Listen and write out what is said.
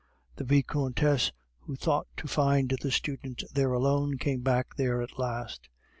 The Vicomtesse, who thought to find the student there alone, came back there at last.